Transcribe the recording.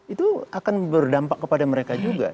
itu akan berdampak kepada mereka juga